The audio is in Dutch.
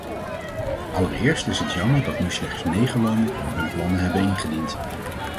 Allereerst is het jammer dat nu slechts negen landen hun plannen hebben ingediend.